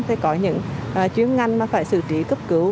thì có những chuyến ngăn mà phải xử trí cấp cứu